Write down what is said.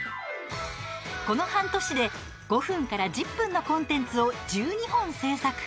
この半年で５分から１０分のコンテンツを１２本制作。